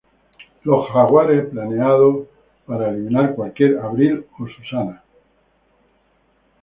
Los Jaguares planeado para eliminar cualquiera Abril o Susana.